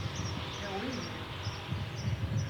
The Wind